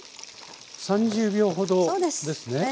３０秒ほどですね。